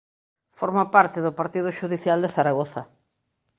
Forma parte do partido xudicial de Zaragoza.